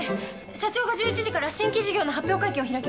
社長が１１時から新規事業の発表会見を開きます。